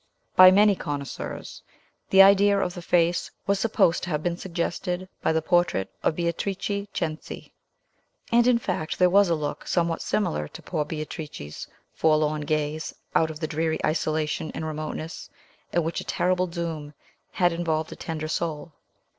By many connoisseurs, the idea of the face was supposed to have been suggested by the portrait of Beatrice Cenci; and, in fact, there was a look somewhat similar to poor Beatrice's forlorn gaze out of the dreary isolation and remoteness, in which a terrible doom had involved a tender soul.